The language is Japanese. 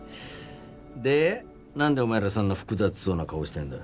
でなんでお前らそんな複雑そうな顔してるんだ？